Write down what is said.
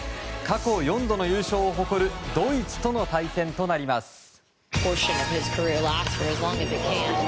過去４度の優勝を誇るドイツとの対戦となります。